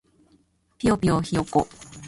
ぴよぴよひよこ